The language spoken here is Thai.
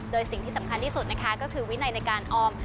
โดยสิ่งที่สำคัญที่สุดนะคะก็คือวินัยในการออม